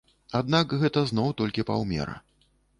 Аднак гэта зноў толькі паўмера.